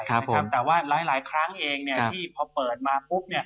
แต่ว่าหลายครั้งเองที่พอเปิดมาปุ๊บ